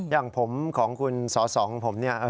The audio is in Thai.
อย่างผมของคุณสอสองผมเนี่ย